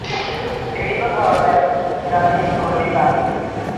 বিভিন্ন ধরনের নিরামিষভোজী প্রাণী।